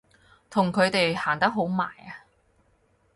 同佢哋行得好埋啊！